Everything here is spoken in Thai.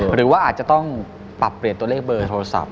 หรือว่าอาจจะต้องปรับเปลี่ยนตัวเลขเบอร์โทรศัพท์